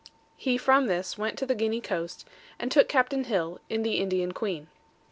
He from this went to the Guinea coast, and took Capt. Hill, in the Indian Queen.